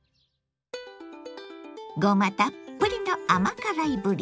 ごまたっぷりの甘辛いぶり。